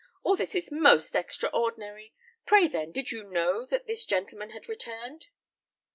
All this is most extraordinary! Pray, then, did you know that this gentleman had returned?"